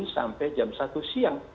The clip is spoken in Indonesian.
sampai jam satu siang